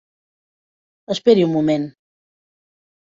Esperi un moment.